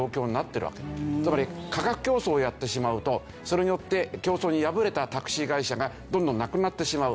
つまり価格競争をやってしまうとそれによって競争に敗れたタクシー会社がどんどんなくなってしまう。